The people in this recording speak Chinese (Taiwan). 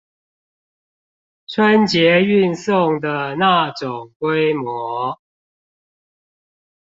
春節運送的那種規模